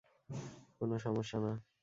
কোনো সমস্যা না।